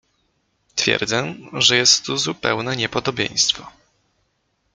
"Twierdzę, że jest tu zupełne niepodobieństwo."